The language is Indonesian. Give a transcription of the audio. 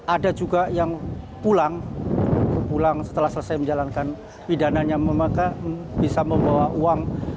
ada juga yang pulang pulang setelah selesai menjalankan pidananya bisa membawa uang